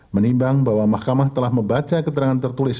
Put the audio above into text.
menimbang bahwa mahkamah telah membaca keterangan tertulis